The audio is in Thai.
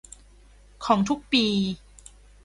ของทุกปี